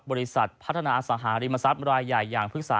บริษัทพัฒนาอสังหาริมทรัพย์รายใหญ่อย่างพฤกษา